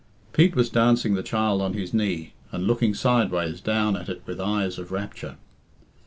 Pete was dancing the child on his knee and looking sideways down at it with eyes of rapture.